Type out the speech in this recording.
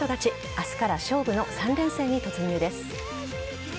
明日から勝負の３連戦に突入です。